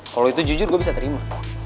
kalo itu jujur gua bisa terima